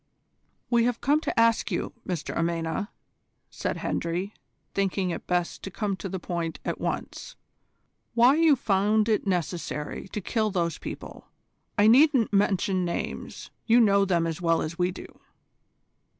"We have come to ask you, Mr Amena," said Hendry, thinking it best to come to the point at once, "why you found it necessary to kill those people. I needn't mention names. You know them as well as we do."